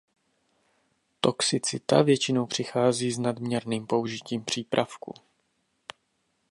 Toxicita většinou přichází s nadměrným použitím přípravku.